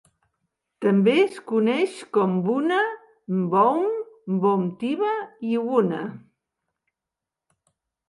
També es coneix com Buna, Mboum, Mboumtiba i Wuna.